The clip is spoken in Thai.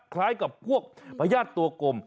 คล้ายกับพวกพญาติตัวกลม